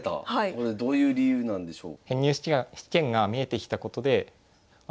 これどういう理由なんでしょう？